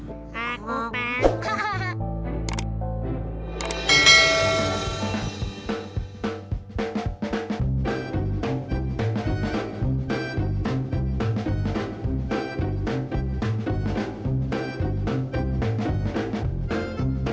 nanti aku kasihin dia aja